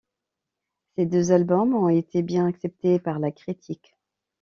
Ces deux albums ont été bien acceptés par la critique.